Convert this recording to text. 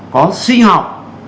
có sinh học